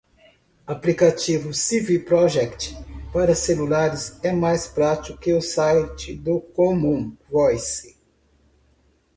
Aplicativo CvProject para celulares é mais prático que o site do commonvoice